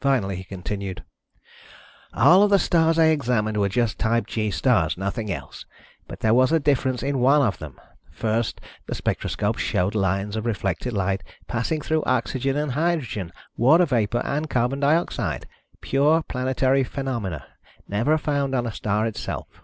Finally, he continued: "All of the stars I examined were just type G stars, nothing else, but there was a difference in one of them. First, the spectroscope showed lines of reflected light passing through oxygen and hydrogen, water vapor and carbon dioxide. Pure planetary phenomena, never found on a star itself.